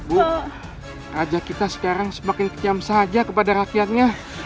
bu raja kita sekarang semakin kejam saja kepada rakyatnya